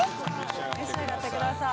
召し上がってください。